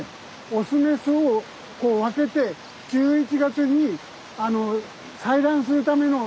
オスメスをこう分けて１１月に採卵するための準備です。